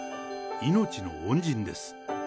命の恩人です。